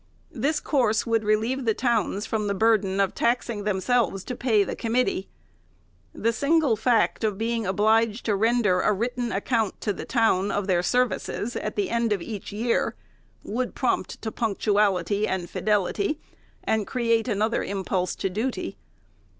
This course would relieve the towns from the burden of taxing themselves to pay the committee. The single fact of being obliged to render a written account to the town, of their services, at the end of each year, would prompt to 408 THE SECRETARY'S punctuality and fidelity, and create another impulse to duty.